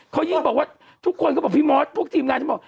เขายิ่งบอกว่าทุกคนก็บอกพี่มอสพวกทีมงานฉันบอก